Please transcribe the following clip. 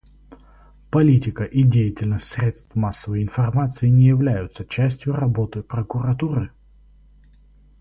Политика и деятельность средств массовой информации не являются частью работы Прокуратуры.